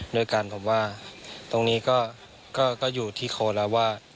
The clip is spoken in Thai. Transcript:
ด้วยกันผมว่าตรงนี้ก็อยู่ที่โค้ดแล้วว่า